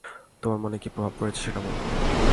তোমার মনে কি প্রভাব পড়েছে সেটা বল।